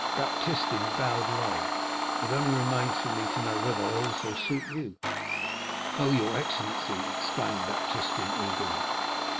Baptistin bowed low. "It only remains for me to know whether I also suit you?" "Oh, your excellency!" exclaimed Baptistin eagerly.